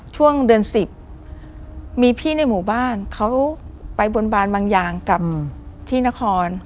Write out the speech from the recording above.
ช่วงเดือน๑๐มีพี่ในหมู่บ้านเขาไปบนบานบางอย่างกับที่นคร